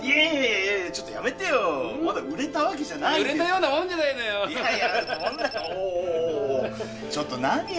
いやいやちょっとやめてよまだ売れたわけじゃないんだから売れたようなもんじゃないのよいやいや・おぉおぉちょっと何よ？